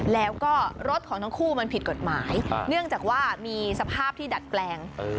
แล้วก็รถของทั้งคู่มันผิดกฎหมายเนื่องจากว่ามีสภาพที่ดัดแปลง